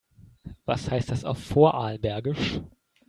Was heißt das auf Vorarlbergisch?